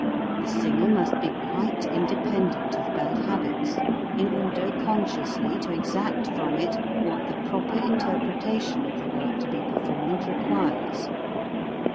The singer must be quite independent of bad habits in order consciously to exact from it what the proper interpretation of the work to be performed requires.